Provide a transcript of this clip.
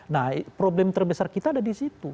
nah problem terbesar kita ada di situ